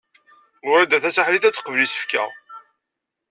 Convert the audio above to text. Wrida Tasaḥlit ad teqbel isefka.